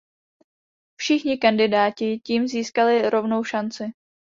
Všichni kandidáti tím získali rovnou šanci.